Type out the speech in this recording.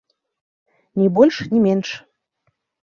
Ні больш, ні менш.